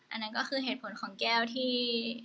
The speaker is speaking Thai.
อันนั้นก็คือเหตุผลของแก้วที่